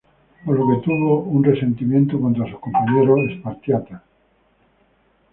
Por lo que, tuvo un resentimiento contra sus compañeros espartiatas.